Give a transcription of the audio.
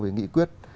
về nghị quyết